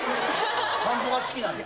散歩が好きなんや。